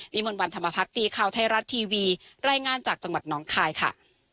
มนต์วันธรรมพักดีข่าวไทยรัฐทีวีรายงานจากจังหวัดน้องคายค่ะ